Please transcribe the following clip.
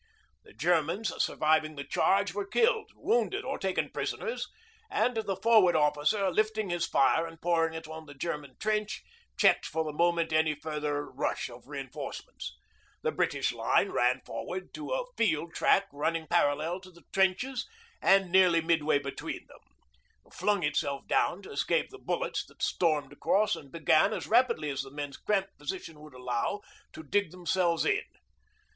The Germans surviving the charge were killed, wounded, or taken prisoners, and the Forward Officer, lifting his fire and pouring it on the German trench, checked for the moment any further rush of reinforcements. The British line ran forward to a field track running parallel to the trenches and nearly midway between them, flung itself down to escape the bullets that stormed across and began, as rapidly as the men's cramped position would allow, to dig themselves in.